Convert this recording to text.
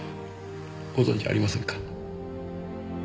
ご存じありませんか？